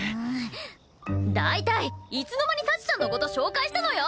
大体いつの間に幸ちゃんの事紹介したのよ？